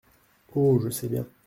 Oh ! je sais bien !